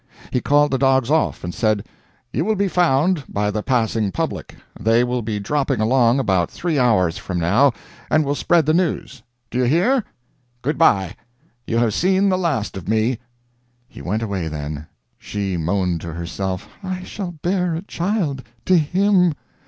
He called the dogs off, and said: "You will be found by the passing public. They will be dropping along about three hours from now, and will spread the news do you hear? Good by. You have seen the last of me." He went away then. She moaned to herself: "I shall bear a child to him!